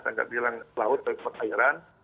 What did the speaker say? saya nggak bilang laut tapi perairan